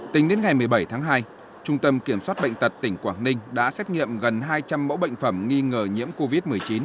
tính đến ngày một mươi bảy tháng hai trung tâm kiểm soát bệnh tật tỉnh quảng ninh đã xét nghiệm gần hai trăm linh mẫu bệnh phẩm nghi ngờ nhiễm covid một mươi chín